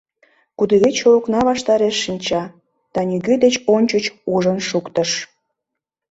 Кудывече окна ваштареш шинча да нигӧ деч ончыч ужын шуктыш.